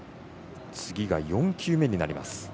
次が４球目になります。